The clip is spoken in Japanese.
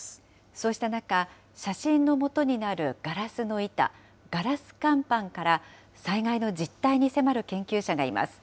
そうした中、写真のもとになるガラスの板、ガラス乾板から災害の実態に迫る研究者がいます。